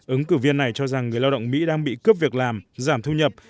ứng cử viên này cho rằng người lao động mỹ đang bị cướp việc làm giảm thu nhập